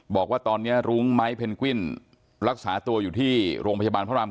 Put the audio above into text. บอกว่าตอนนี้รุ้งไม้เพนกวินรักษาตัวอยู่ที่โรงพยาบาลพระราม